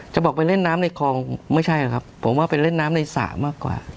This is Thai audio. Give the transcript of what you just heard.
จะบอกไปเล่นน้ำในคลองไม่ใช่ครับผมว่าไปเล่นน้ำในสระมากกว่า